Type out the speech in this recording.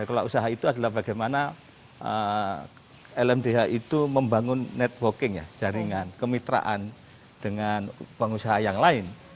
dan kelola usaha itu adalah bagaimana lmdh itu membangun networking ya jaringan kemitraan dengan pengusaha yang lain